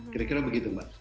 kira kira begitu mbak